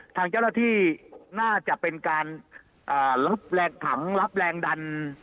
ทางเจ้าหน้าที่น่าจะเป็นการรับแรงถังรับแรงดัน